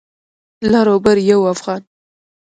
لر او بر يو افغان.